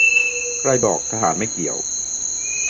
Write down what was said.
ใครบอกทหารไม่เกี่ยว